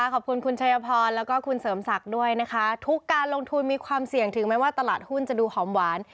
ขอบคุณคุณชัยพรแล้วก็คุณเสริมศักดิ์ด้วยนะคะทุกการลงทุนมีความเสี่ยงถึงแม้ว่าตลาดหุ้นจะดูหอมหวาน